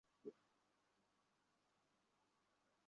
আমি অপেক্ষা করছি।